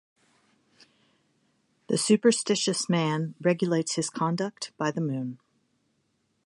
The superstitious man regulates his conduct by the moon.